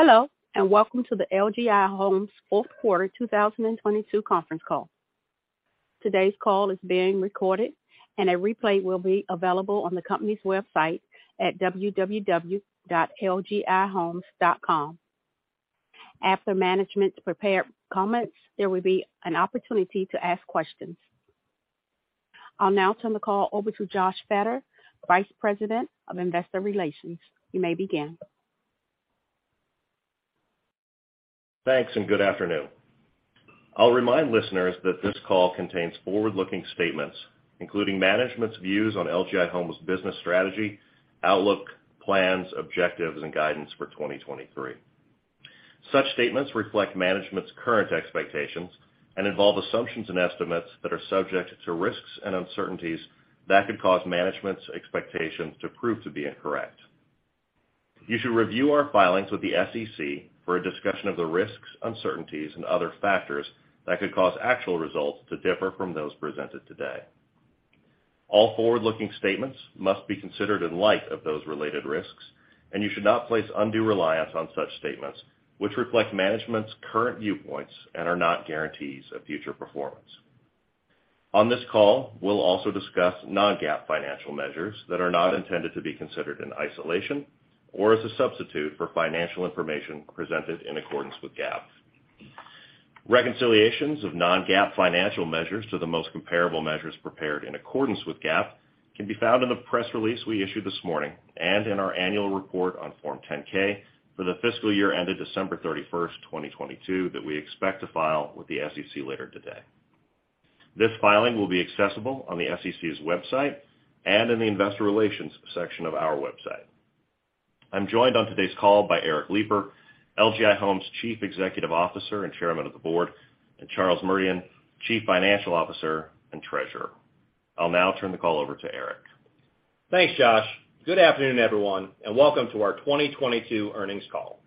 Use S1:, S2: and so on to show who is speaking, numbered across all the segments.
S1: Hello, welcome to the LGI Homes Fourth Quarter 2022 conference call. Today's call is being recorded, a replay will be available on the company's website at www.lgihomes.com. After management's prepared comments, there will be an opportunity to ask questions. I'll now turn the call over to Josh Fetter, Vice President of Investor Relations. You may begin.
S2: Thanks, good afternoon. I'll remind listeners that this call contains forward-looking statements, including management's views on LGI Homes business strategy, outlook, plans, objectives, and guidance for 2023. Such statements reflect management's current expectations and involve assumptions and estimates that are subject to risks and uncertainties that could cause management's expectations to prove to be incorrect. You should review our filings with the SEC for a discussion of the risks, uncertainties and other factors that could cause actual results to differ from those presented today. All forward-looking statements must be considered in light of those related risks, you should not place undue reliance on such statements, which reflect management's current viewpoints and are not guarantees of future performance. On this call, we'll also discuss non-GAAP financial measures that are not intended to be considered in isolation or as a substitute for financial information presented in accordance with GAAP. Reconciliations of non-GAAP financial measures to the most comparable measures prepared in accordance with GAAP can be found in the press release we issued this morning and in our annual report on Form 10-K for the fiscal year ended December 31, 2022, that we expect to file with the SEC later today. This filing will be accessible on the SEC's website and in the investor relations section of our website. I'm joined on today's call by Eric Lipar, LGI Homes Chief Executive Officer and Chairman of the Board, and Charles Merdian, Chief Financial Officer and Treasurer. I'll now turn the call over to Eric.
S3: Thanks, Josh. Good afternoon, everyone, and welcome to our 2022 earnings call.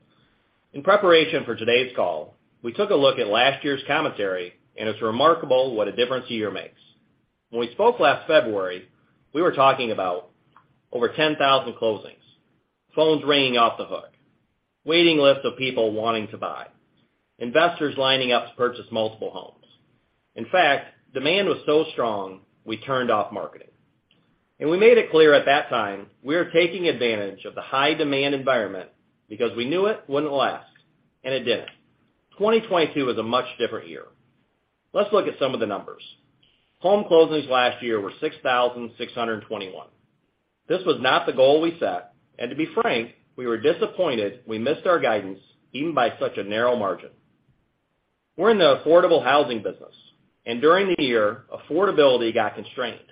S3: In preparation for today's call, we took a look at last year's commentary, and it's remarkable what a difference a year makes. When we spoke last February, we were talking about over 10,000 closings, phones ringing off the hook, waiting lists of people wanting to buy, investors lining up to purchase multiple homes. In fact, demand was so strong, we turned off marketing. We made it clear at that time we are taking advantage of the high demand environment because we knew it wouldn't last, and it didn't. 2022 was a much different year. Let's look at some of the numbers. Home closings last year were 6,621. This was not the goal we set, and to be frank, we were disappointed we missed our guidance even by such a narrow margin. We're in the affordable housing business, and during the year, affordability got constrained.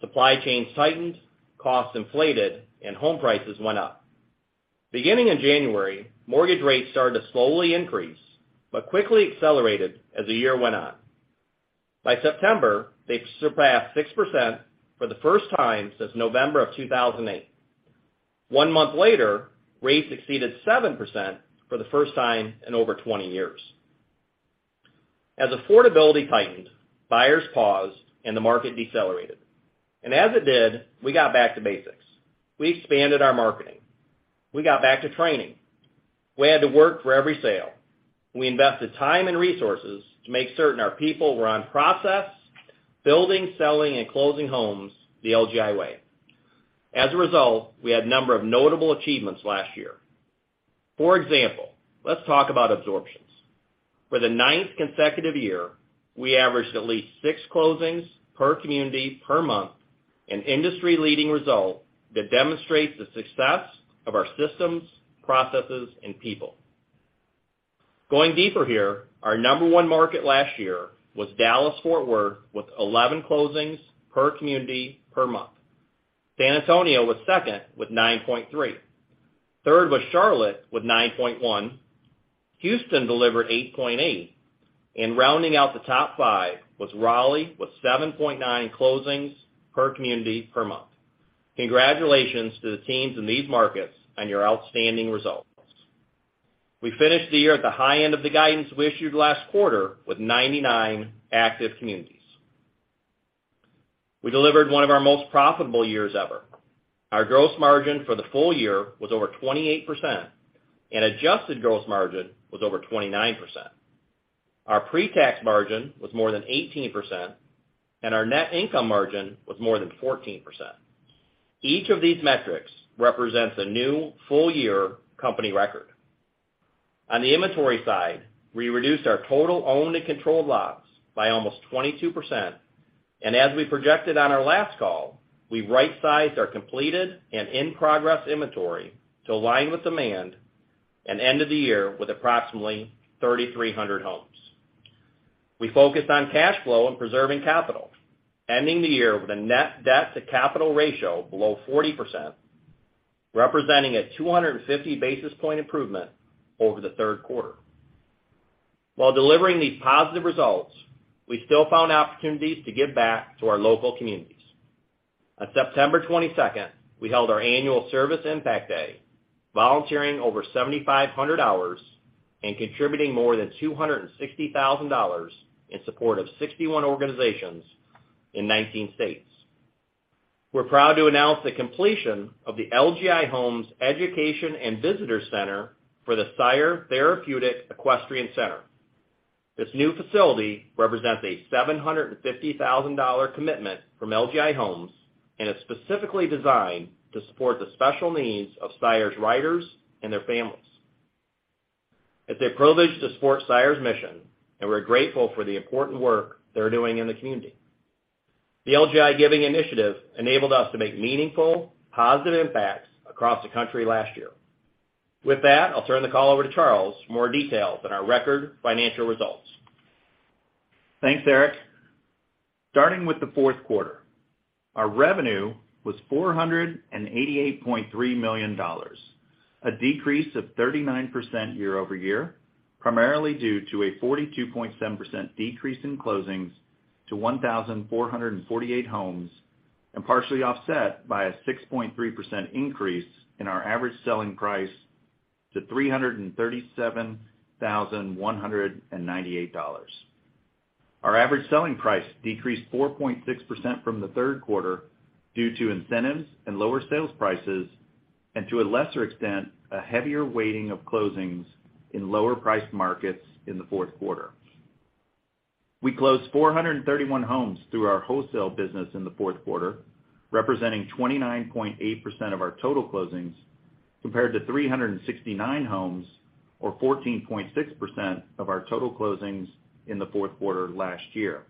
S3: Supply chains tightened, costs inflated, and home prices went up. Beginning in January, mortgage rates started to slowly increase but quickly accelerated as the year went on. By September, they surpassed 6% for the first time since November of 2008. One month later, rates exceeded 7% for the first time in over 20 years. As affordability tightened, buyers paused and the market decelerated. As it did, we got back to basics. We expanded our marketing. We got back to training. We had to work for every sale. We invested time and resources to make certain our people were on process, building, selling, and closing homes the LGI way. As a result, we had a number of notable achievements last year. For example, let's talk about absorptions. For the ninth consecutive year, we averaged at least six closings per community per month, an industry-leading result that demonstrates the success of our systems, processes, and people. Going deeper here, our number one market last year was Dallas-Fort Worth, with 11 closings per community per month. San Antonio was second with 9.3. Third was Charlotte with 9.1. Houston delivered 8.8. Rounding out the top five was Raleigh with 7.9 closings per community per month. Congratulations to the teams in these markets on your outstanding results. We finished the year at the high end of the guidance we issued last quarter with 99 active communities. We delivered one of our most profitable years ever. Our gross margin for the full year was over 28% and adjusted gross margin was over 29%. Our pre-tax margin was more than 18%, and our net income margin was more than 14%. Each of these metrics represents a new full-year company record. On the inventory side, we reduced our total owned and controlled lots by almost 22%, and as we projected on our last call, we right-sized our completed and in-progress inventory to align with demand and end of the year with approximately 3,300 homes. We focused on cash flow and preserving capital, ending the year with a net debt-to-capital ratio below 40%, representing a 250 basis point improvement over the third quarter. While delivering these positive results, we still found opportunities to give back to our local communities. On September 22nd, we held our annual Service Impact Day, volunteering over 7,500 hours and contributing more than $260,000 in support of 61 organizations in 19 states. We're proud to announce the completion of the LGI Homes Education and Visitor Center for the SIRE Therapeutic Equestrian Center. This new facility represents a $750,000 commitment from LGI Homes and is specifically designed to support the special needs of SIRE's riders and their families. It's a privilege to support SIRE's mission, and we're grateful for the important work they're doing in the community. The LGI Giving Initiative enabled us to make meaningful, positive impacts across the country last year. With that, I'll turn the call over to Charles for more details on our record financial results.
S4: Thanks, Eric. Starting with the fourth quarter. Our revenue was $488.3 million, a decrease of 39% year-over-year, primarily due to a 42.7% decrease in closings to 1,448 homes, and partially offset by a 6.3% increase in our average selling price to $337,198. Our average selling price decreased 4.6% from the third quarter due to incentives and lower sales prices, and to a lesser extent, a heavier weighting of closings in lower-priced markets in the fourth quarter. We closed 431 homes through our wholesale business in the fourth quarter, representing 29.8% of our total closings, compared to 369 homes, or 14.6% of our total closings in the fourth quarter last year.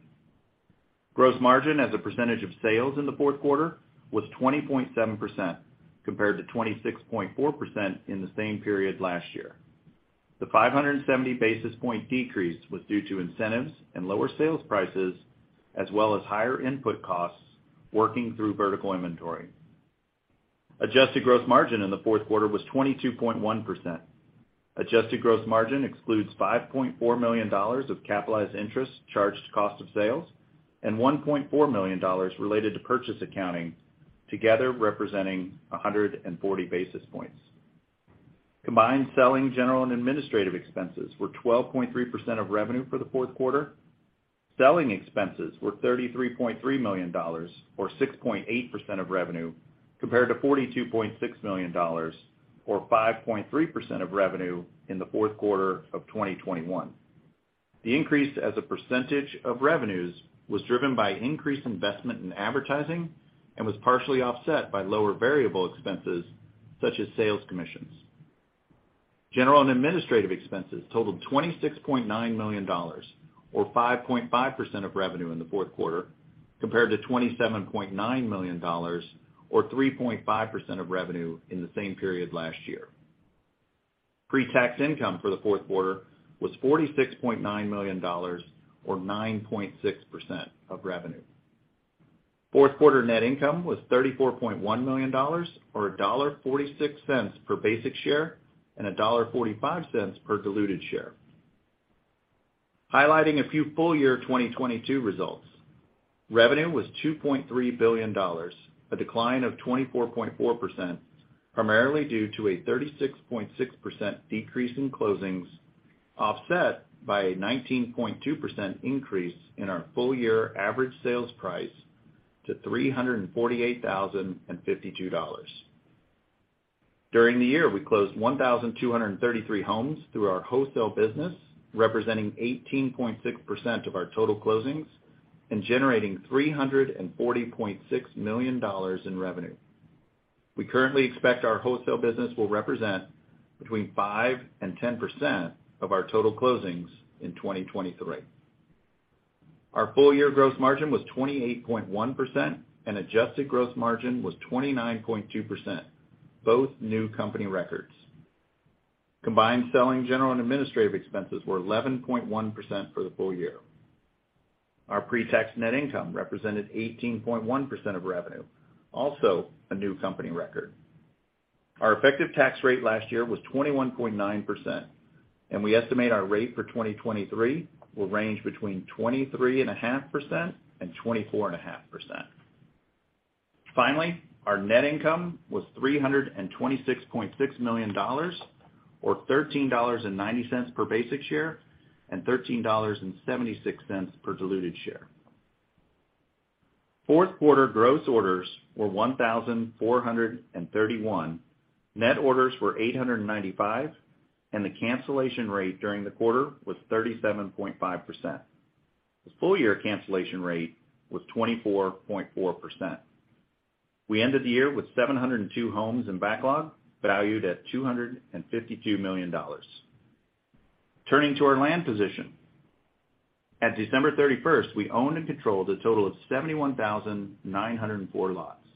S4: Gross margin as a percentage of sales in the fourth quarter was 20.7%, compared to 26.4% in the same period last year. The 570 basis point decrease was due to incentives and lower sales prices, as well as higher input costs working through vertical inventory. adjusted gross margin in the fourth quarter was 22.1%. adjusted gross margin excludes $5.4 million of capitalized interest charged to cost of sales and $1.4 million related to purchase accounting, together representing 140 basis points. Combined selling general and administrative expenses were 12.3% of revenue for the Q4. Selling expenses were $33.3 million, or 6.8% of revenue, compared to $42.6 million, or 5.3% of revenue in the Q4 of 2021. The increase as a percentage of revenues was driven by increased investment in advertising and was partially offset by lower variable expenses, such as sales commissions. General and administrative expenses totaled $26.9 million, or 5.5% of revenue in the Q4, compared to $27.9 million, or 3.5% of revenue in the same period last year. Pre-tax income for the Q4 was $46.9 million, or 9.6% of revenue. Fourth quarter net income was $34.1 million, or $1.46 per basic share and $1.45 per diluted share. Highlighting a few full year 2022 results. Revenue was $2.3 billion, a decline of 24.4%, primarily due to a 36.6% decrease in closings, offset by a 19.2% increase in our full year average sales price to $348,052. During the year, we closed 1,233 homes through our wholesale business, representing 18.6% of our total closings and generating $340.6 million in revenue. We currently expect our wholesale business will represent between 5% and 10% of our total closings in 2023. Our full year gross margin was 28.1% and adjusted gross margin was 29.2%, both new company records. Combined selling, general and administrative expenses were 11.1% for the full year. Our pre-tax net income represented 18.1% of revenue, also a new company record. Our effective tax rate last year was 21.9%, and we estimate our rate for 2023 will range between 23.5% and 24.5%. Our net income was $326.6 million, or $13.90 per basic share and $13.76 per diluted share. Fourth quarter gross orders were 1,431. Net orders were 895, and the cancellation rate during the quarter was 37.5%. The full year cancellation rate was 24.4%. We ended the year with 702 homes in backlog, valued at $252 million. Turning to our land position. At December 31st, we owned and controlled a total of 71,904 lots,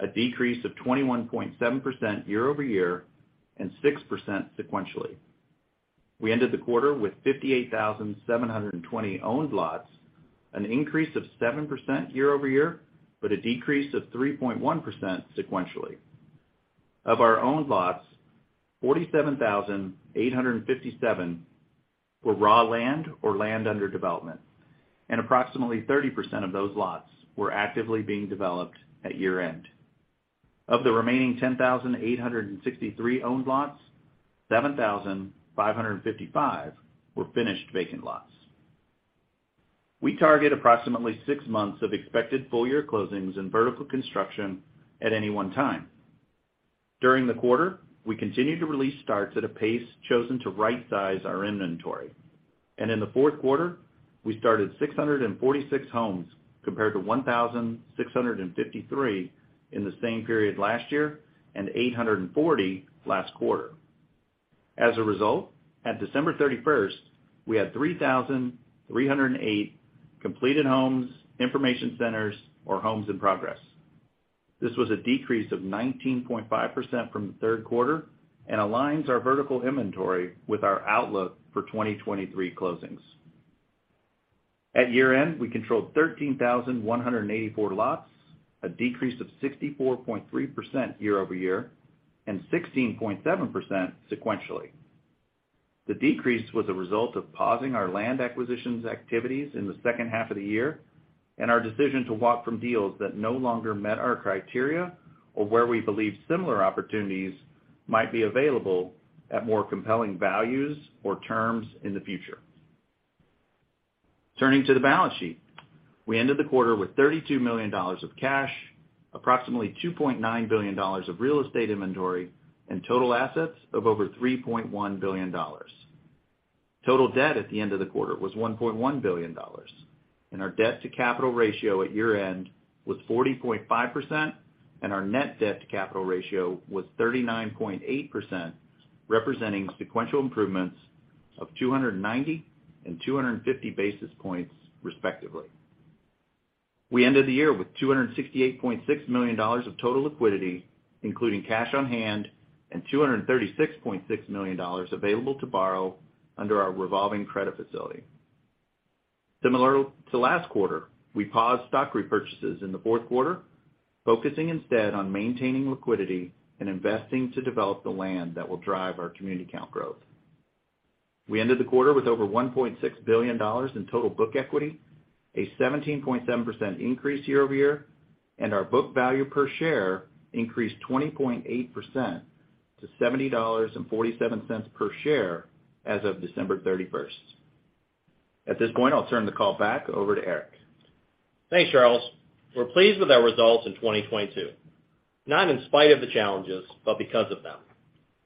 S4: a decrease of 21.7% year-over-year and 6% sequentially. We ended the quarter with 58,720 owned lots, an increase of 7% year-over-year, but a decrease of 3.1% sequentially. Of our owned lots, 47,857 were raw land or land under development, and approximately 30% of those lots were actively being developed at year-end. Of the remaining 10,863 owned lots, 7,555 were finished vacant lots. We target approximately six months of expected full year closings in vertical construction at any one time. During the quarter, we continued to release starts at a pace chosen to right size our inventory. In the fourth quarter, we started 646 homes compared to 1,653 in the same period last year and 840 last quarter. As a result, at December 31st, we had 3,308 completed homes, information centers or homes in progress. This was a decrease of 19.5% from the third quarter and aligns our vertical inventory with our outlook for 2023 closings. At year-end, we controlled 13,184 lots, a decrease of 64.3% year-over-year and 16.7% sequentially. The decrease was a result of pausing our land acquisitions activities in the second half of the year, and our decision to walk from deals that no longer met our criteria or where we believe similar opportunities might be available at more compelling values or terms in the future. Turning to the balance sheet, we ended the quarter with $32 million of cash, approximately $2.9 billion of real estate inventory, and total assets of over $3.1 billion. Total debt at the end of the quarter was $1.1 billion, and our debt to capital ratio at year-end was 40.5%, and our net debt-to-capital ratio was 39.8%, representing sequential improvements of 290 and 250 basis points, respectively. We ended the year with $268.6 million of total liquidity, including cash on hand and $236.6 million available to borrow under our revolving credit facility. Similar to last quarter, we paused stock repurchases in the fourth quarter, focusing instead on maintaining liquidity and investing to develop the land that will drive our community count growth. We ended the quarter with over $1.6 billion in total book equity, a 17.7% increase year-over-year, and our book value per share increased 20.8% to $70.47 per share as of December 31st. At this point, I'll turn the call back over to Eric.
S3: Thanks, Charles. We're pleased with our results in 2022, not in spite of the challenges, but because of them.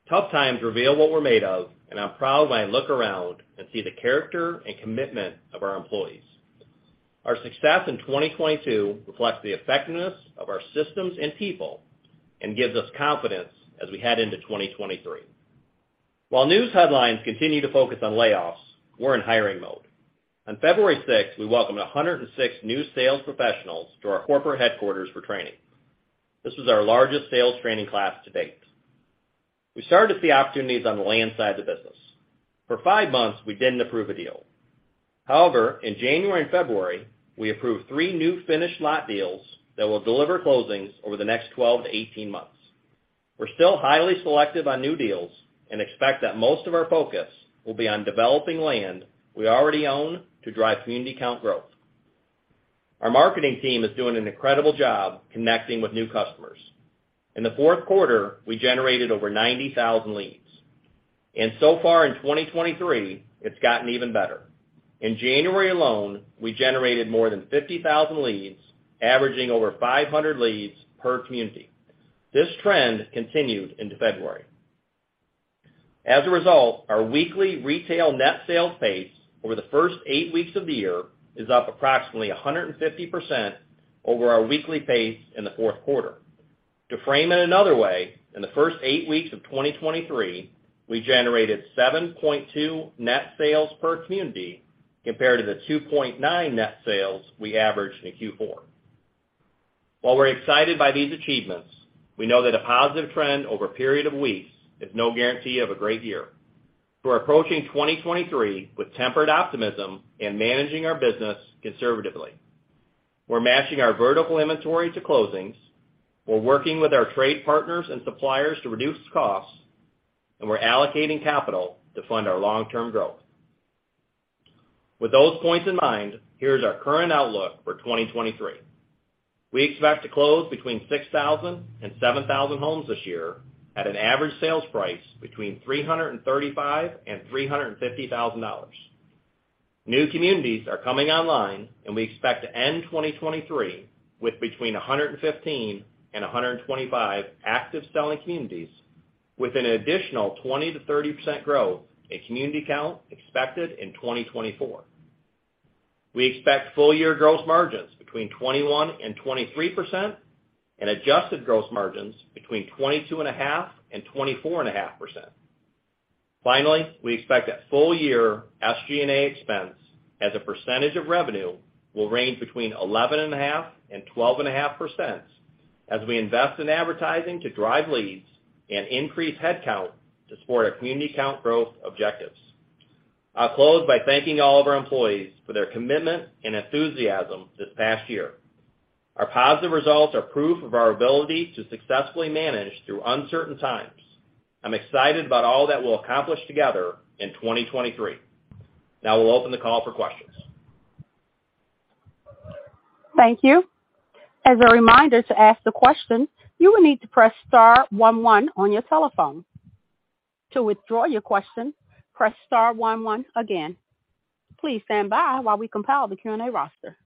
S3: Tough times reveal what we're made of, and I'm proud when I look around and see the character and commitment of our employees. Our success in 2022 reflects the effectiveness of our systems and people and gives us confidence as we head into 2023. While news headlines continue to focus on layoffs, we're in hiring mode. On February 6th, we welcomed 106 new sales professionals to our corporate headquarters for training. This is our largest sales training class to date. We started to see opportunities on the land side of the business. For 5 months, we didn't approve a deal. However, in January and February, we approved three new finished lot deals that will deliver closings over the next 12 to 18 months. We're still highly selective on new deals and expect that most of our focus will be on developing land we already own to drive community count growth. Our marketing team is doing an incredible job connecting with new customers. In the fourth quarter, we generated over 90,000 leads. So far in 2023, it's gotten even better. In January alone, we generated more than 50,000 leads, averaging over 500 leads per community. This trend continued into February. As a result, our weekly retail net sales pace over the first eight weeks of the year is up approximately 150% over our weekly pace in the fourth quarter. To frame it another way, in the first eight weeks of 2023, we generated 7.2 net sales per community compared to the 2.9 net sales we averaged in Q4. While we're excited by these achievements, we know that a positive trend over a period of weeks is no guarantee of a great year. We're approaching 2023 with tempered optimism and managing our business conservatively. We're matching our vertical inventory to closings. We're working with our trade partners and suppliers to reduce costs, and we're allocating capital to fund our long-term growth. With those points in mind, here's our current outlook for 2023. We expect to close between 6,000 and 7,000 homes this year at an average sales price between $335,000 and $350,000. New communities are coming online, and we expect to end 2023 with between 115 and 125 active selling communities with an additional 20%-30% growth in community count expected in 2024. We expect full year gross margins between 21% and 23% and adjusted gross margins between 22 and a half and 24 and a half percent. We expect that full year SG&A expense as a percentage of revenue will range between 11 and a half and 12 and a half percent as we invest in advertising to drive leads and increase headcount to support our community count growth objectives. I'll close by thanking all of our employees for their commitment and enthusiasm this past year. Our positive results are proof of our ability to successfully manage through uncertain times. I'm excited about all that we'll accomplish together in 2023. We'll open the call for questions.
S1: Thank you. As a reminder to ask the question, you will need to press star one one on your telephone. To withdraw your question, press star one one again. Please stand by while we compile the Q&A roster.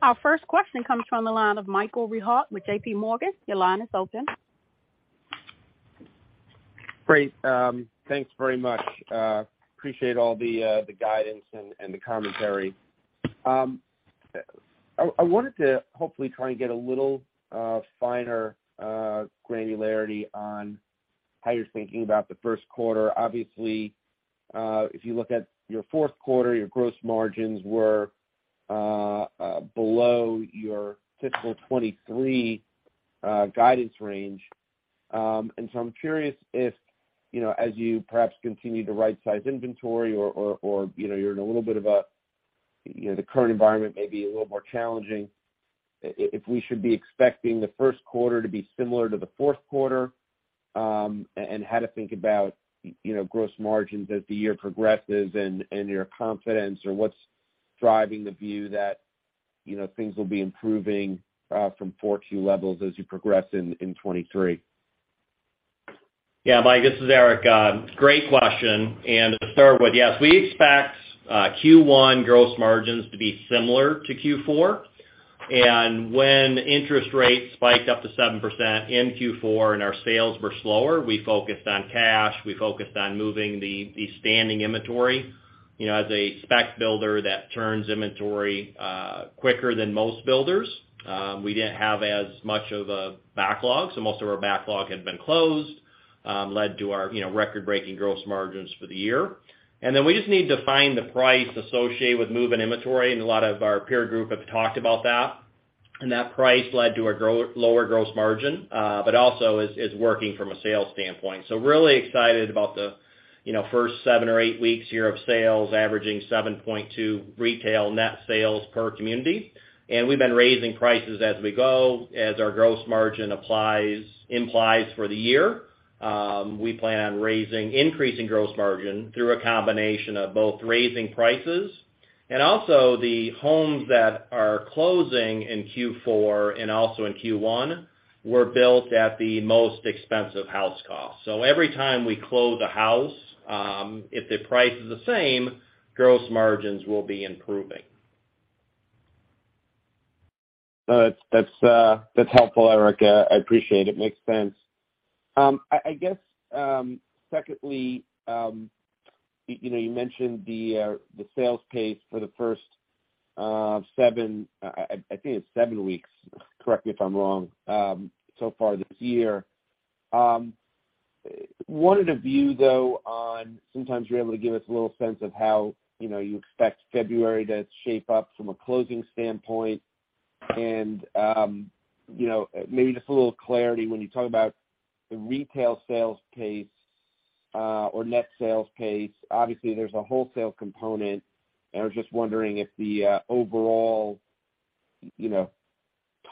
S1: Our first question comes from the line of Michael Rehaut with JPMorgan. Your line is open.
S5: Great. Thanks very much. Appreciate all the guidance and the commentary. I wanted to hopefully try and get a little finer granularity on how you're thinking about the first quarter. Obviously, if you look at your fourth quarter, your gross margins were below your fiscal 2023 guidance range. I'm curious if, you know, as you perhaps continue to right-size inventory or, you know, you're in a little bit of a, you know, the current environment may be a little more challenging, if we should be expecting the first quarter to be similar to the fourth quarter? And how to think about, you know, gross margins as the year progresses and your confidence or what's driving the view that, you know, things will be improving, from 42 levels as you progress in 2023?
S3: Mike, this is Eric. Great question. To start with, yes, we expect Q1 gross margins to be similar to Q4. When interest rates spiked up to 7% in Q4 and our sales were slower, we focused on cash, we focused on moving the standing inventory. You know, as a spec builder that turns inventory quicker than most builders, we didn't have as much of a backlog, so most of our backlog had been closed, led to our, you know, record-breaking gross margins for the year. Then we just need to find the price associated with moving inventory, and a lot of our peer group have talked about that. That price led to a lower gross margin, but also is working from a sales standpoint. Really excited about the, you know, first seven or eight weeks here of sales averaging 7.2 retail net sales per community. We've been raising prices as we go, as our gross margin applies, implies for the year. We plan on raising, increasing gross margin through a combination of both raising prices and also the homes that are closing in Q4 and also in Q1 were built at the most expensive house cost. Every time we close a house, if the price is the same, gross margins will be improving.
S5: No, that's helpful, Eric. I appreciate it. Makes sense. I guess, secondly, you know, you mentioned the sales pace for the first seven, I think it's seven weeks, correct me if I'm wrong, so far this year. Wanted a view though on sometimes you're able to give us a little sense of how, you know, you expect February to shape up from a closing standpoint? You know, maybe just a little clarity when you talk about the retail sales pace or net sales pace. Obviously, there's a wholesale component, and I was just wondering if the overall, you know,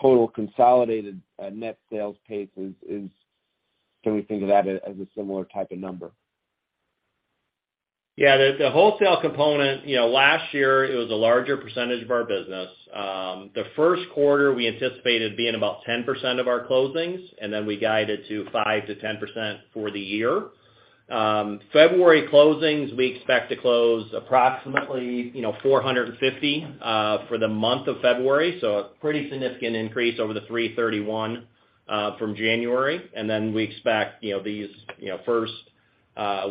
S5: total consolidated net sales pace is. Can we think of that as a similar type of number?
S3: Yeah. The wholesale component, you know, last year it was a larger percentage of our business. The first quarter we anticipated being about 10% of our closings, and then we guided to 5%-10% for the year. February closings, we expect to close approximately, you know, 450 for the month of February, so a pretty significant increase over the 331 from January. We expect, you know, these, you know, first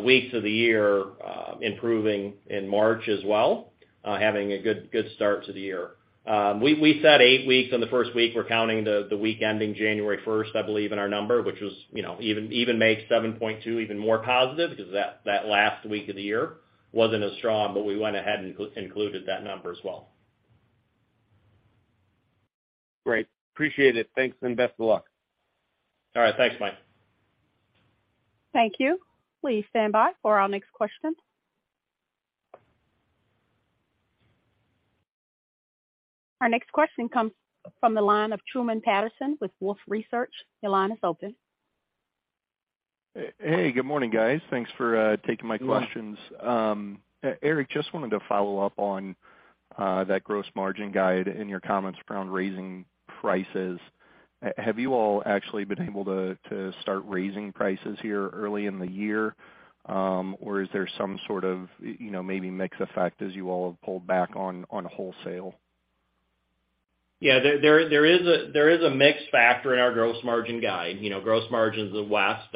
S3: weeks of the year, improving in March as well, having a good start to the year. We said eight weeks in the first week, we're counting the week ending January first, I believe, in our number, which was, you know, even makes 7.2 even more positive because that last week of the year wasn't as strong, but we went ahead and included that number as well.
S5: Great. Appreciate it. Thanks, and best of luck.
S3: All right. Thanks, Mike.
S1: Thank you. Please stand by for our next question. Our next question comes from the line of Truman Patterson with Wolfe Research. Your line is open.
S6: Hey, good morning, guys. Thanks for taking my questions. Eric, just wanted to follow up on that gross margin guide and your comments around raising prices. Have you all actually been able to start raising prices here early in the year? Is there some sort of, you know, maybe mix effect as you all have pulled back on wholesale?
S3: Yeah. There is a mix factor in our gross margin guide. You know, gross margins in the West,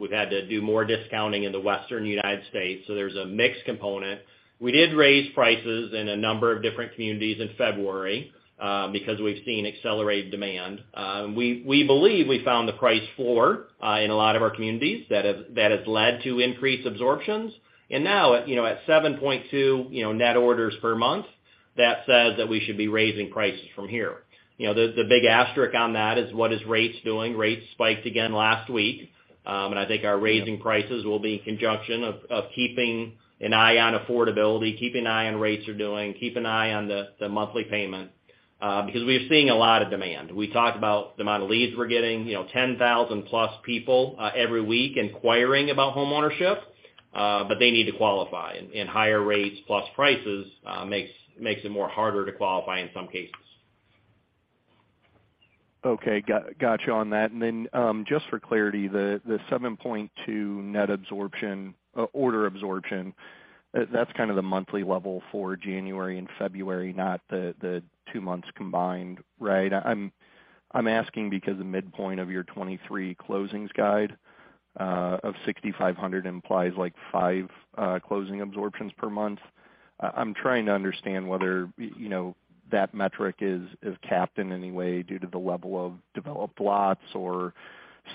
S3: we've had to do more discounting in the Western United States, so there's a mix component. We did raise prices in a number of different communities in February, because we've seen accelerated demand. We believe we found the price floor in a lot of our communities that have led to increased absorptions. Now, you know, at 7.2, you know, net orders per month, that says that we should be raising prices from here. You know, the big asterisk on that is what are rates doing rates spiked again last week? I think our raising prices will be in conjunction of keeping an eye on affordability, keeping an eye on rates are doing, keep an eye on the monthly payment. We are seeing a lot of demand. We talked about the amount of leads we're getting, you know, 10,000 plus people every week inquiring about homeownership, but they need to qualify. Higher rates plus prices makes it more harder to qualify in some cases.
S6: Okay. Got you on that. Then, just for clarity, the 7.2 net absorption order absorption that's kind of the monthly level for January and February, not the two months combined, right? I'm asking because the midpoint of your 2023 closings guide of 6,500 implies like five closing absorptions per month. I'm trying to understand whether, you know, that metric is capped in any way due to the level of developed lots or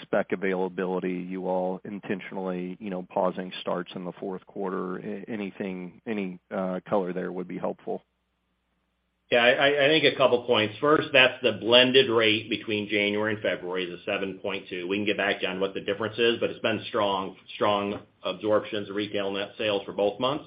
S6: spec availability, you all intentionally, you know, pausing starts in the fourth quarter? Anything, any color there would be helpful.
S3: I think a couple points. First, that's the blended rate between January and February, the 7.2. We can get back on what the difference is, but it's been strong absorptions, retail net sales for both months.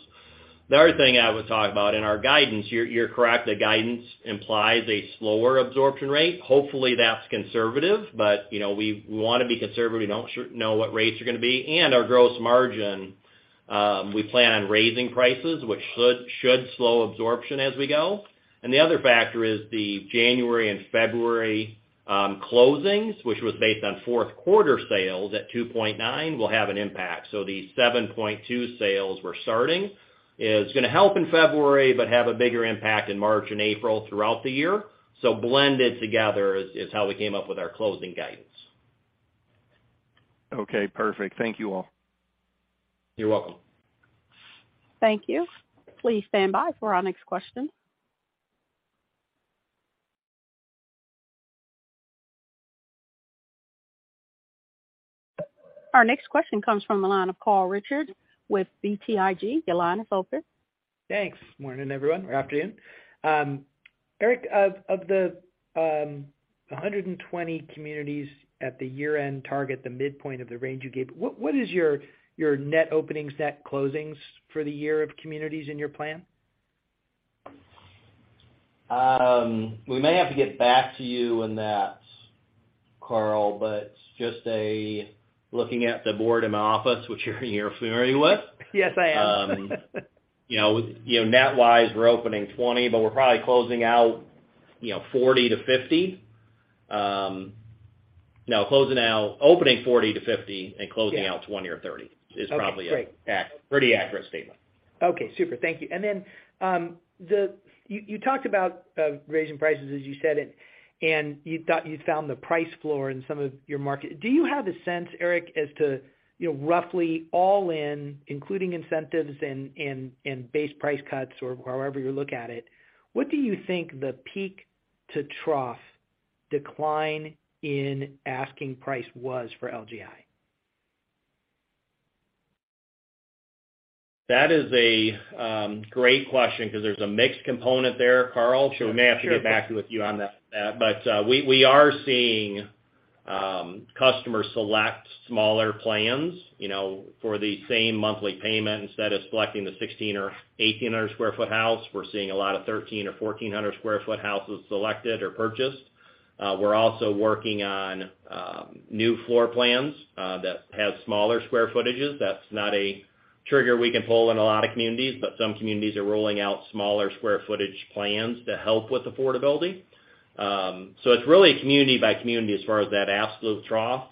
S3: The other thing I would talk about in our guidance, you're correct that guidance implies a slower absorption rate. Hopefully, that's conservative, but, you know, we wanna be conservative. We don't sure know what rates are gonna be. Our gross margin, we plan on raising prices, which should slow absorption as we go. The other factor is the January and February closings, which was based on fourth quarter sales at 2.9, will have an impact. The 7.2 sales we're starting is gonna help in February, but have a bigger impact in March and April throughout the year. Blended together is how we came up with our closing guidance.
S6: Okay, perfect. Thank you all.
S3: You're welcome.
S1: Thank you. Please stand by for our next question. Our next question comes from the line of Carl Reichardt with BTIG. Your line is open.
S7: Thanks. Morning, everyone, or afternoon. Eric, of the 120 communities at the year-end target, the midpoint of the range you gave, what is your net openings, net closings for the year of communities in your plan?
S3: We may have to get back to you on that, Carl, but just looking at the board in my office, which you're familiar with.
S7: Yes, I am.
S3: You know, net wise, we're opening 20, but we're probably closing out, you know, 40 to 50. Opening 40 to 50 and closing out-
S7: Yeah.
S3: 20 or 30 is probably
S7: Okay, great.
S3: pretty accurate statement.
S7: Okay, super. Thank you. You talked about raising prices, as you said, and you thought you'd found the price floor in some of your market. Do you have a sense, Eric, as to, you know, roughly all in, including incentives and base price cuts or however you look at it, what do you think the peak to trough decline in asking price was for LGI?
S3: That is a great question 'cause there's a mixed component there, Carl.
S7: Sure.
S3: We may have to get back with you on that, but we are seeing customers select smaller plans, you know, for the same monthly payment. Instead of selecting the 1,600 or 1,800 sq ft house, we're seeing a lot of 1,300 or 1,400 sq ft houses selected or purchased. We're also working on new floor plans that have smaller square footages. That's not a trigger we can pull in a lot of communities, but some communities are rolling out smaller square footage plans to help with affordability. It's really community by community as far as that absolute trough.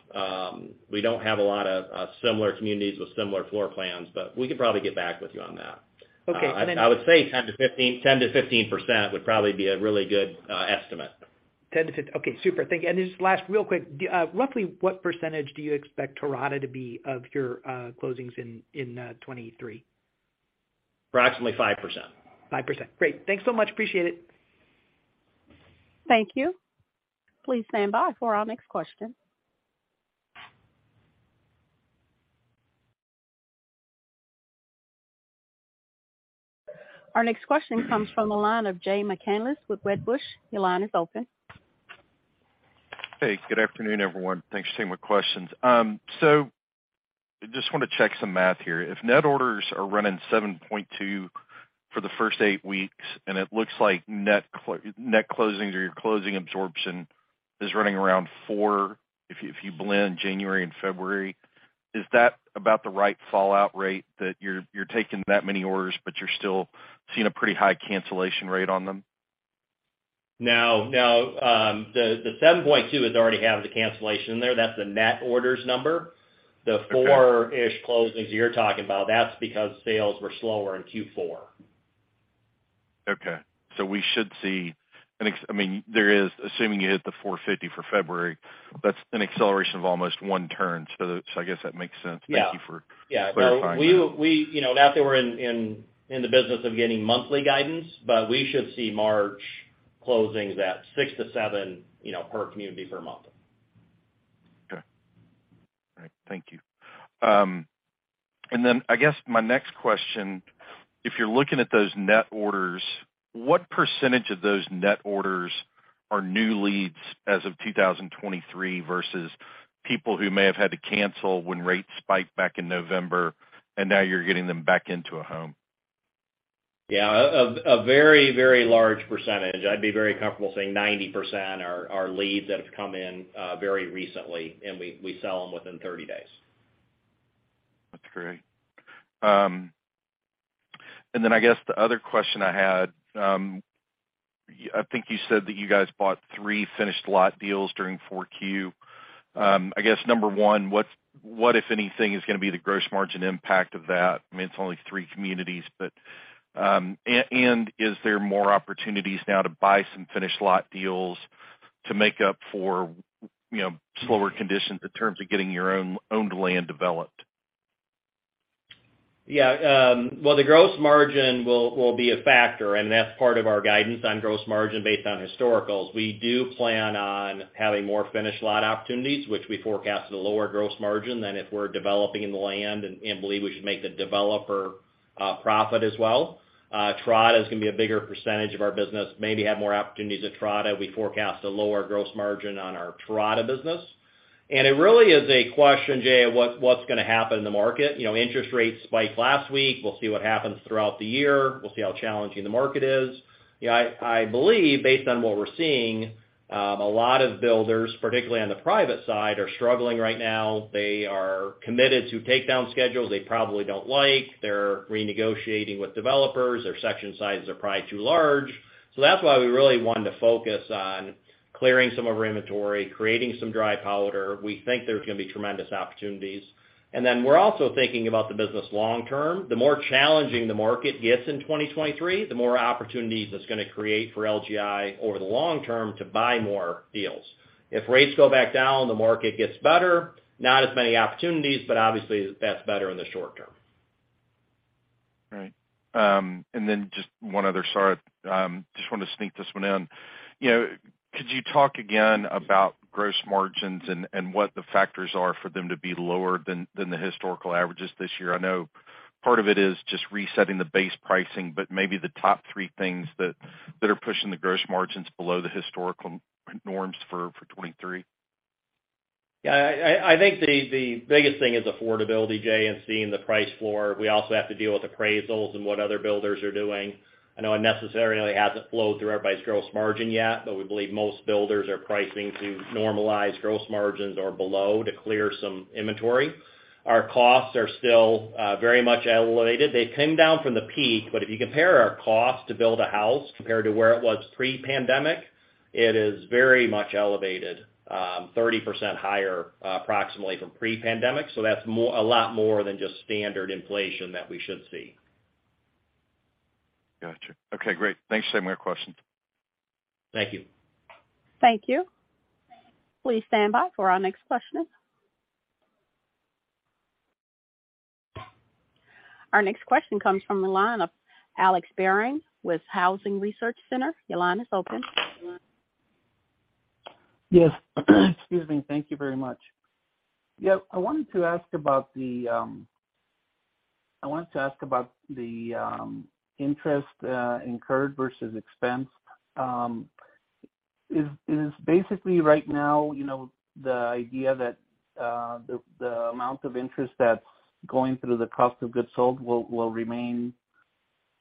S3: We don't have a lot of similar communities with similar floor plans, but we could probably get back with you on that.
S7: Okay.
S3: I would say 10%-15% would probably be a really good estimate.
S7: 10%-15%. Okay, super. Thank you. Just last real quick, roughly what % do you expect Terrata to be of your closings in 2023?
S3: Approximately 5%.
S7: 5%. Great. Thanks so much. Appreciate it.
S1: Thank you. Please stand by for our next question. Our next question comes from the line of Jay McCanless with Wedbush. Your line is open.
S8: Hey, good afternoon, everyone. Thanks for taking my questions. Just wanna check some math here. If net orders are running 7.2 for the first eight weeks, and it looks like net closings or your closing absorption is running around four if you blend January and February, is that about the right fallout rate that you're taking that many orders, but you're still seeing a pretty high cancellation rate on them?
S3: No, no. The 7.2 is already having the cancellation there. That's the net orders number.
S8: Okay.
S3: The four-ish closings you're talking about, that's because sales were slower in Q4.
S8: Okay. We should see I mean, assuming you hit the 450 for February, that's an acceleration of almost one turn. I guess that makes sense.
S3: Yeah.
S8: Thank you for clarifying that.
S3: Yeah. No. We, you know, not that we're in the business of giving monthly guidance, but we should see March closings at six to seven, you know, per community per month.
S8: Okay. All right. Thank you. I guess my next question, if you're looking at those net orders, what percentage of those net orders are new leads as of 2023 versus people who may have had to cancel when rates spike back in November and now you're getting them back into a home?
S3: Yeah. A very, very large percentage, I'd be very comfortable saying 90% are leads that have come in very recently, and we sell them within 30 days.
S8: That's great. I guess the other question I had, I think you said that you guys bought three finished lot deals during Q4. I guess, number one, what if anything is gonna be the gross margin impact of that? I mean, it's only three communities, but, is there more opportunities now to buy some finished lot deals to make up for, you know, slower conditions in terms of getting your own owned land developed?
S3: Yeah. Well, the gross margin will be a factor, that's part of our guidance on gross margin based on historicals. We do plan on having more finished lot opportunities, which we forecast at a lower gross margin than if we're developing the land and believe we should make the developer profit as well. Terrata is gonna be a bigger percentage of our business, maybe have more opportunities at Terrata. We forecast a lower gross margin on our Terrata business. It really is a question, Jay, of what's gonna happen in the market. You know, interest rates spiked last week. We'll see what happens throughout the year. We'll see how challenging the market is. You know, I believe based on what we're seeing, a lot of builders, particularly on the private side, are struggling right now. They are committed to takedown schedules they probably don't like. They're renegotiating with developers. Their section sizes are probably too large. That's why we really wanted to focus on clearing some of our inventory, creating some dry powder. We think there's going to be tremendous opportunities. We're also thinking about the business long term. The more challenging the market gets in 2023, the more opportunities it's going to create for LGI over the long term to buy more deals. If rates go back down, the market gets better, not as many opportunities, but obviously that's better in the short term.
S8: Right. Just one other, sorry. Just wanna sneak this one in. You know, could you talk again about gross margins and what the factors are for them to be lower than the historical averages this year? I know part of it is just resetting the base pricing, but maybe the top three things that are pushing the gross margins below the historical norms for 2023.
S3: I think the biggest thing is affordability, Jay, and seeing the price floor. We also have to deal with appraisals and what other builders are doing. I know it necessarily hasn't flowed through everybody's gross margin yet, but we believe most builders are pricing to normalize gross margins or below to clear some inventory. Our costs are still very much elevated. They've come down from the peak, but if you compare our cost to build a house compared to where it was pre-pandemic, it is very much elevated, 30% higher, approximately from pre-pandemic. That's a lot more than just standard inflation that we should see.
S8: Got you. Okay, great. Thanks the same. We have questions.
S3: Thank you.
S1: Thank you. Please stand by for our next question. Our next question comes from the line of Alex Barron with Housing Research Center. Your line is open.
S9: Yes. Excuse me. Thank you very much. Yeah. I wanted to ask about the interest incurred versus expense. Is basically right now, you know, the idea that the amount of interest that's going through the cost of goods sold will remain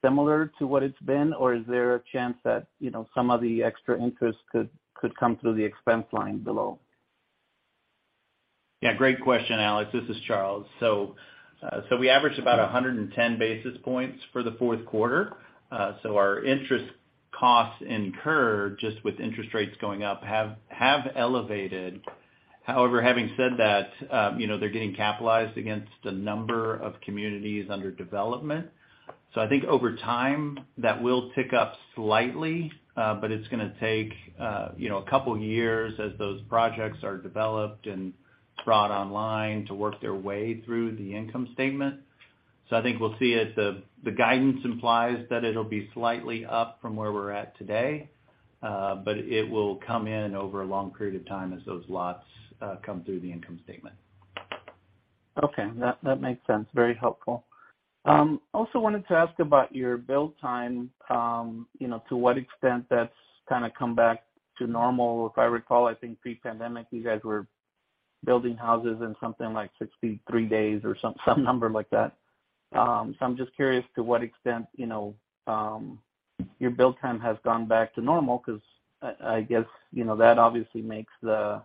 S9: similar to what it's been, or is there a chance that, you know, some of the extra interest could come through the expense line below?
S4: Yeah, great question, Alex. This is Charles. We averaged about 110 basis points for the fourth quarter. Our interest costs incurred just with interest rates going up have elevated. However, having said that, you know, they're getting capitalized against a number of communities under development. I think over time, that will tick up slightly, but it's gonna take, you know, a couple years as those projects are developed and brought online to work their way through the income statement. I think we'll see as the guidance implies that it'll be slightly up from where we're at today, but it will come in over a long period of time as those lots come through the income statement.
S9: Okay. That makes sense. Very helpful. Also wanted to ask about your build time, you know, to what extent that's kind of come back to normal. If I recall, I think pre-pandemic, you guys were building houses in something like 63 days or some number like that. I'm just curious to what extent, you know, your build time has gone back to normal 'cause I guess, you know, that obviously makes the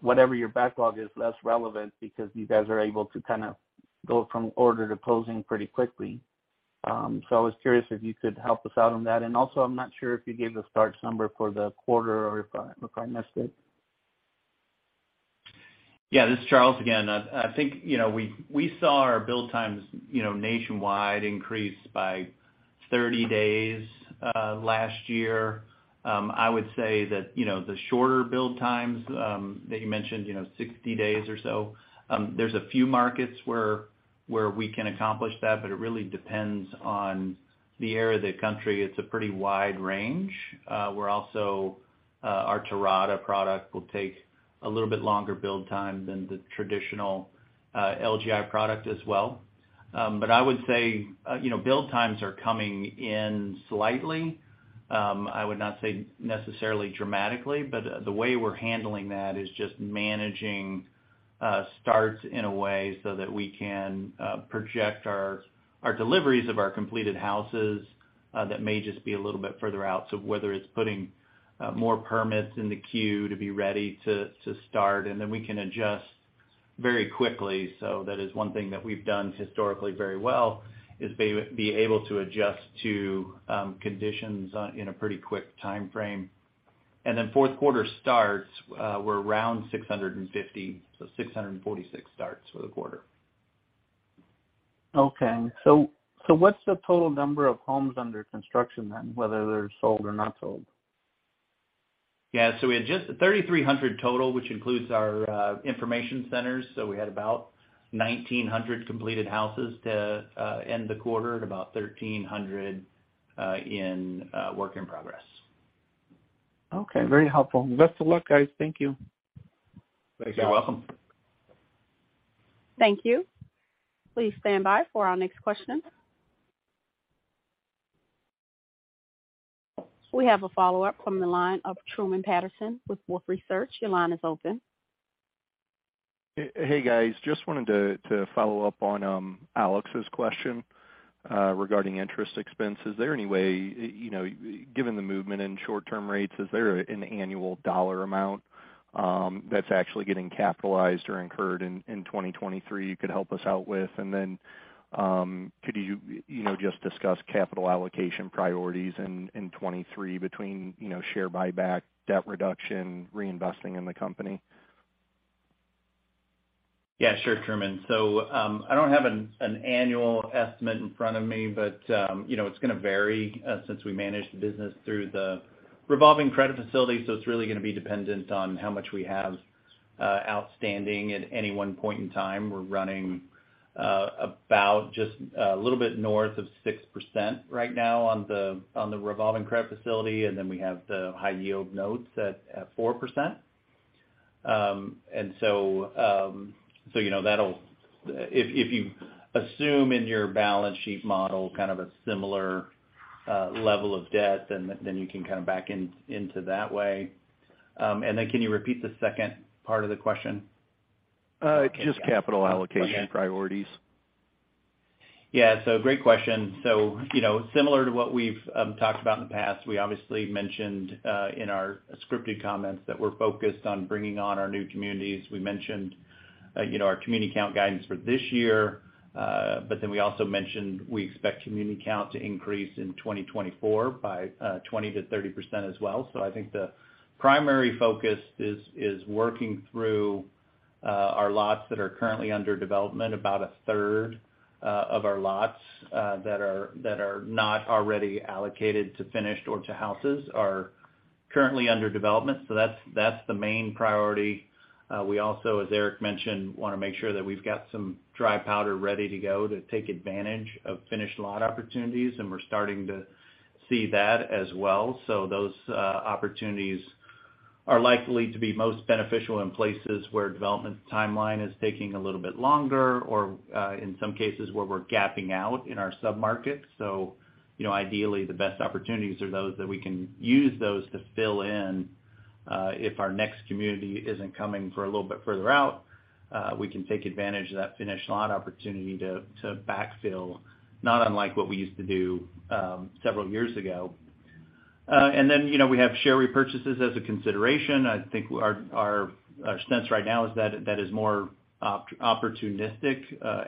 S9: whatever your backlog is less relevant because you guys are able to kind of go from order to closing pretty quickly. I was curious if you could help us out on that. Also, I'm not sure if you gave the starts number for the quarter or if I missed it.
S4: Yeah, this is Charles again. I think, you know, we saw our build times, you know, nationwide increase by 30 days last year. I would say that, you know, the shorter build times that you mentioned, you know, 60 days or so, there's a few markets where we can accomplish that, but it really depends on the area of the country. It's a pretty wide range. Our Terrata product will take a little bit longer build time than the traditional LGI product as well. I would say, you know, build times are coming in slightly. I would not say necessarily dramatically, but the way we're handling that is just managing starts in a way so that we can project our deliveries of our completed houses that may just be a little bit further out. Whether it's putting more permits in the queue to be ready to start, and then we can adjust very quickly. That is one thing that we've done historically very well, is be able to adjust to conditions in a pretty quick timeframe. Then fourth quarter starts, we're around 650. 646 starts for the quarter.
S9: Okay. What's the total number of homes under construction then, whether they're sold or not sold?
S4: Yeah. We had just 3,300 total, which includes our information centers. We had about 1,900 completed houses to end the quarter at about 1,300 in work in progress.
S9: Okay, very helpful. Best of luck, guys. Thank you.
S4: Thank you. You're welcome.
S1: Thank you. Please standby for our next question. We have a follow-up from the line of Truman Patterson with Wolfe Research. Your line is open.
S6: Hey, guys, just wanted to follow up on Alex's question regarding interest expense. Is there any way, you know, given the movement in short-term rates, is there an annual dollar amount that's actually getting capitalized or incurred in 2023 you could help us out with? Could you know, just discuss capital allocation priorities in 2023 between, you know, share buyback, debt reduction, reinvesting in the company?
S3: Yeah, sure, Truman. I don't have an annual estimate in front of me, but, you know, it's gonna vary since we manage the business through the revolving credit facility, so it's really gonna be dependent on how much we have outstanding at any one point in time. We're running about just a little bit north of 6% right now on the revolving credit facility, and then we have the high yield notes at 4%. You know, that'll. If you assume in your balance sheet model kind of a similar level of debt, then you can kind of back into that way. Then can you repeat the second part of the question?
S6: Just capital allocation priorities.
S4: Yeah. Great question. You know, similar to what we've talked about in the past, we obviously mentioned in our scripted comments that we're focused on bringing on our new communities. We mentioned, you know, our community count guidance for this year. We also mentioned we expect community count to increase in 2024 by 20%-30% as well. I think the primary focus is working through our lots that are currently under development. About a third of our lots that are not already allocated to finished or to houses are currently under development. That's the main priority. We also, as Eric mentioned, wanna make sure that we've got some dry powder ready to go to take advantage of finished lot opportunities, and we're starting to see that as well. Those opportunities are likely to be most beneficial in places where development timeline is taking a little bit longer or in some cases where we're gapping out in our submarkets. You know, ideally the best opportunities are those that we can use those to fill in if our next community isn't coming for a little bit further out, we can take advantage of that finished lot opportunity to backfill, not unlike what we used to do several years ago. You know, we have share repurchases as a consideration. I think our stance right now is that that is more opportunistic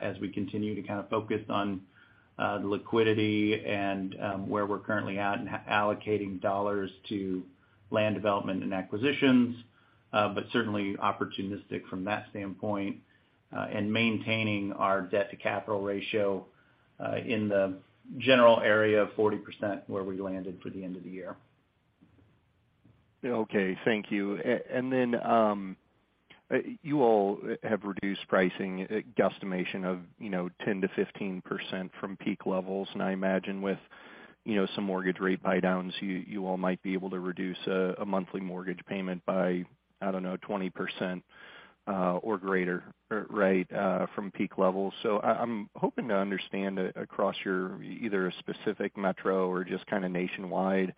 S4: as we continue to kind of focus on the liquidity and where we're currently at in allocating dollars to land development and acquisitions. Certainly opportunistic from that standpoint, and maintaining our debt to capital ratio, in the general area of 40% where we landed for the end of the year.
S6: Okay. Thank you. Then, you all have reduced pricing guesstimation of, you know, 10%-15% from peak levels. I imagine with, you know, some mortgage rate buydowns, you all might be able to reduce a monthly mortgage payment by, I don't know, 20%, or greater, right? From peak levels. I'm hoping to understand across your either specific metro or just kind of nationwide,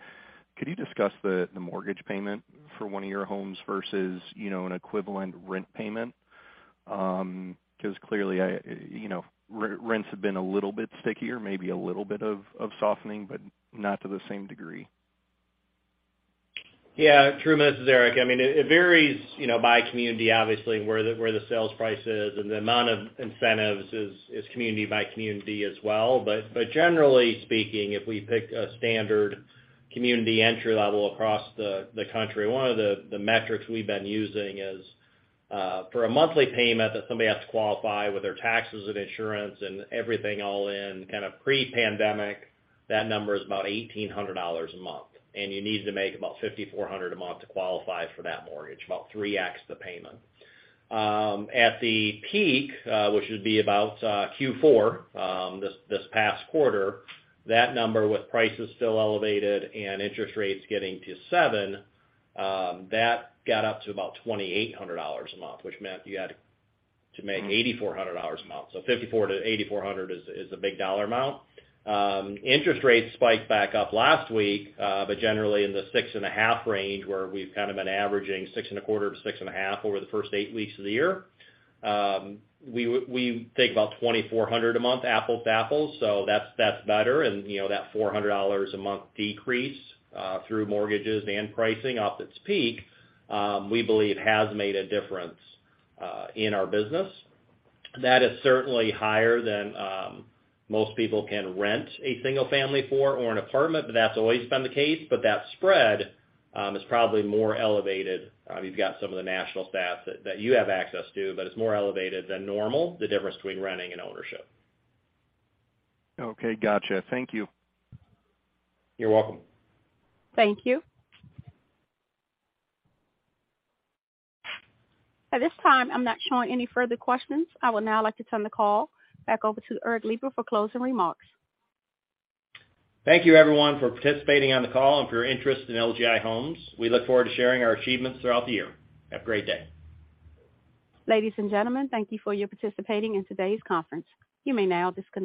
S6: could you discuss the mortgage payment for one of your homes versus, you know, an equivalent rent payment? 'Cause clearly, you know, rents have been a little bit stickier, maybe a little bit of softening, but not to the same degree.
S3: Yeah. Truman Patterson, this is Eric Lipar. I mean, it varies, you know, by community obviously, where the sales price is, and the amount of incentives is community by community as well. Generally speaking, if we pick a standard community entry level across the country, one of the metrics we've been using is for a monthly payment that somebody has to qualify with their taxes and insurance and everything all in, kind of pre-pandemic, that number is about $1,800 a month. You need to make about $5,400 a month to qualify for that mortgage, about 3x the payment. At the peak, which would be about Q4, this past quarter, that number with prices still elevated and interest rates getting to 7%, that got up to about $2,800 a month, which meant you had to make $8,400 a month. $5,400-$8,400 is a big dollar amount. Interest rates spiked back up last week, but generally in the 6.5% range where we've kind of been averaging 6.25%-6.5% over the first eight weeks of the year. We take about $2,400 a month, apples to apples, so that's better. You know, that $400 a month decrease, through mortgages and pricing off its peak, we believe has made a difference, in our business. That is certainly higher than most people can rent a single family for or an apartment, but that's always been the case. That spread is probably more elevated. You've got some of the national stats that you have access to, but it's more elevated than normal, the difference between renting and ownership.
S6: Okay. Gotcha. Thank you.
S3: You're welcome.
S1: Thank you. At this time, I'm not showing any further questions. I would now like to turn the call back over to Eric Lipar for closing remarks.
S3: Thank you everyone for participating on the call and for your interest in LGI Homes. We look forward to sharing our achievements throughout the year. Have a great day.
S1: Ladies and gentlemen, thank you for your participating in today's conference. You may now disconnect.